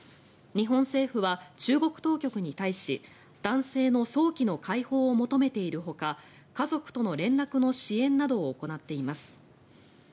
日本政府は、中国当局に対し男性の早期の解放を求めているほか家族との連絡の支援などを行っています。